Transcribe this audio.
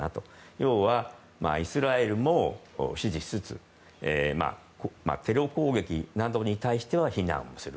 要は、イスラエルも支持しつつテロ攻撃などに対しては非難する。